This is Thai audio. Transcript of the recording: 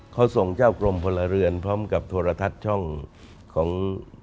เขาส่งเจ้ากรมพลเรือนพร้อมกับโทรทัศน์ช่องของ